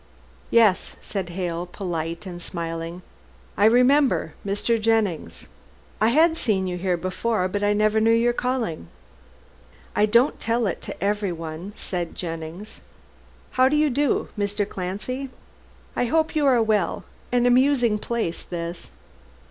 "Yes," said Hale, polite and smiling, "I remember, Mr. Jennings! I had seen you here before, but I never knew your calling." "I don't tell it to everyone," said Jennings, "How do you do, Mr. Clancy? I hope you are well. An amusing place this."